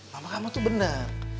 mama kamu tuh bener